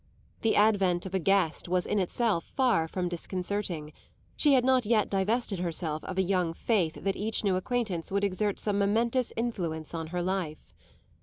The advent of a guest was in itself far from disconcerting; she had not yet divested herself of a young faith that each new acquaintance would exert some momentous influence on her life.